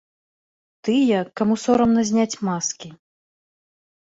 Тыя, каму сорамна зняць маскі.